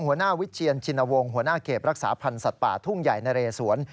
หัวหน้าวิเชียนชินวงศ์หัวหน้าเขตรักษาพันธ์สัตว์ป่าทุ่งใหญ่นะเรสวน